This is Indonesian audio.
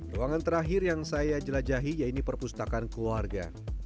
ruangan terakhir yang saya jelajahi yaitu perpustakaan keluarga